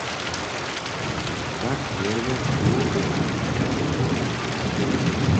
Tak derje dołho wjace jědła njejsym.